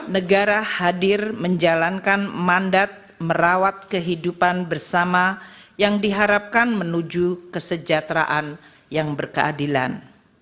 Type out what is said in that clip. negara hadir menjalankan mandat merawat kehidupan bersama yang diharapkan menuju kesejahteraan yang berkeadilan